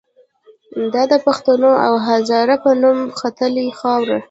دا د پښتون او هزاره په نوم ختلې خاوره